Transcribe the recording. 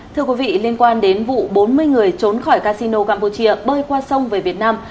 thưa quý vị liên quan đến vụ bốn mươi người trốn khỏi casino campuchia bơi qua sông về việt nam